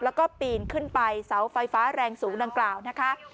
แล้วก็ปีนขึ้นไปเสาไฟฟ้าแรงสูงดังกล่าวนะคะ